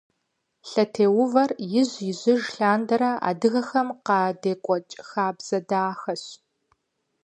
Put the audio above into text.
Лъэтеувэр ижь-ижьыж лъандэрэ адыгэхэм къадекӀуэкӀ хабзэ дахэщ.